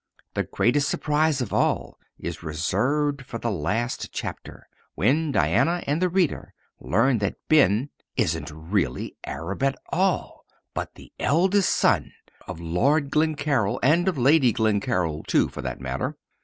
The greatest surprise of all is reserved for the last chapter, when Diana and the reader learn that Ben isn't really an Arab at all, but the eldest son of Lord Glencaryll, and of Lady Glencaryll, too, for that matter.